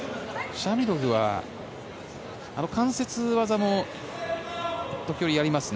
シャミロフは関節技も時折、ありますね。